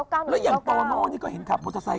แล้วอย่างโตโน่นี่ก็เห็นขับมอเตอร์ไซค